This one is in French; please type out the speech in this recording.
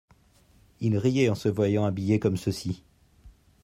Il riait en se voyant habillé comme ceci.